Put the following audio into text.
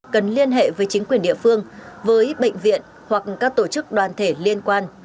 cần liên hệ với chính quyền địa phương với bệnh viện hoặc các tổ chức đoàn thể liên quan